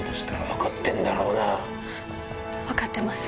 分かってます